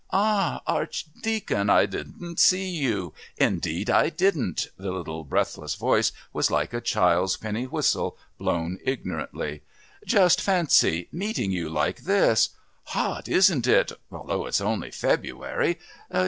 "Ah, Archdeacon! I didn't see you indeed I didn't!" The little breathless voice was like a child's penny whistle blown ignorantly. "Just fancy! meeting you like this! Hot, isn't it, although it's only February.